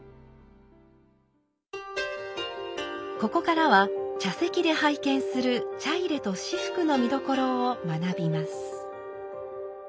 ここからは茶席で拝見する茶入と仕覆の見どころを学びます。